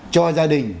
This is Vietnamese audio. cho gia đình